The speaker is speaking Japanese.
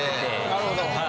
なるほど。